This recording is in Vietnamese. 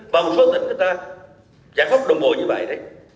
và một số tỉnh người ta giải pháp đồng bộ như vậy đấy